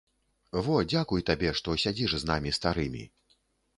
Во, дзякуй табе, што сядзіш з намі старымі.